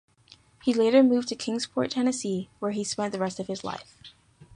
He later moved to Kingsport, Tennessee, where he spent the rest of his life.